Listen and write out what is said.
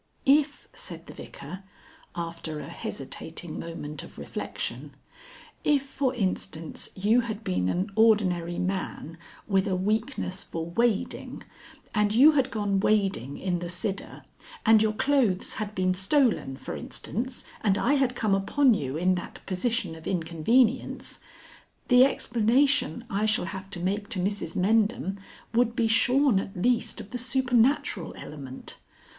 "If," said the Vicar, after a hesitating moment of reflection, "if, for instance, you had been an ordinary man with a weakness for wading, and you had gone wading in the Sidder, and your clothes had been stolen, for instance, and I had come upon you in that position of inconvenience; the explanation I shall have to make to Mrs Mendham would be shorn at least of the supernatural element.